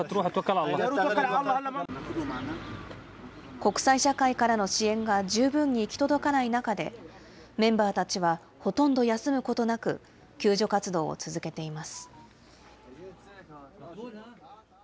国際社会からの支援が十分に行き届かない中で、メンバーたちはほとんど休むことなく、救助活動を続けています。